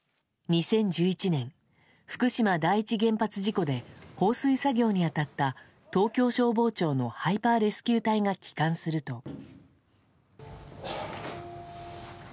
２０１１年、福島第一原発事故で放水作業に当たった東京消防庁のハイパーレスキュー隊が帰還すると。